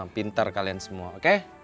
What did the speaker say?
pintar kalian semua oke